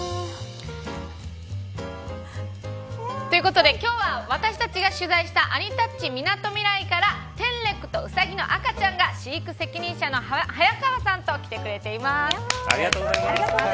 ということで今日は、私たちが取材したアニタッチみなとみらいからテンレックとウサギの赤ちゃんが飼育責任者の早川さんと来てくれています。